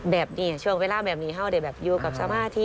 แบบนี้ช่วงเวลาแบบนี้เขาได้แบบอยู่กับสมาธิ